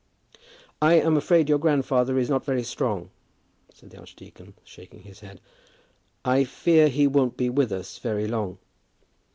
"I'm afraid your grandfather is not very strong," said the archdeacon, shaking his head. "I fear he won't be with us very long."